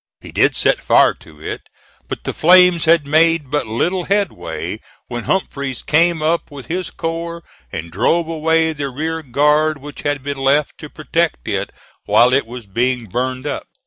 He did set fire to it, but the flames had made but little headway when Humphreys came up with his corps and drove away the rear guard which had been left to protect it while it was being burned up.